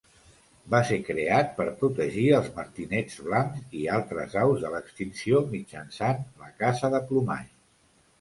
Va ser creat per protegir els martinets blancs i altres aus de l'extinció mitjançant la caça de plomall.